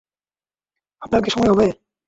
আপনার কি সময় হবে?